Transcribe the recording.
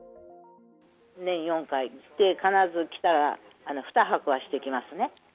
年４回来て、必ず来たら２泊はしていきますね。